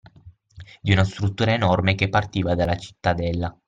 Di una struttura enorme che partiva dalla cittadella.